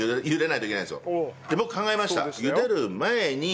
僕考えました。